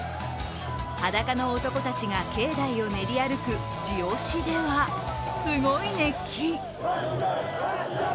裸の男たちが境内を練り歩く地押しでは、すごい熱気。